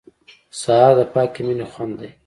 سهار د پاکې مینې خوند دی.